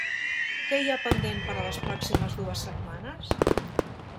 Què hi ha pendent per a les pròximes dues setmanes?